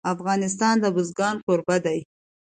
افغانستان د بزګان کوربه دی.